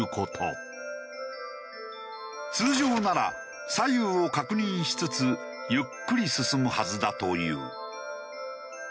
通常なら左右を確認しつつゆっくり進むはずだという。